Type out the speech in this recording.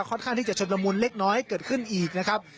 ค่อนข้างที่จะชุดละมุนเล็กน้อยเกิดขึ้นอีกนะครับ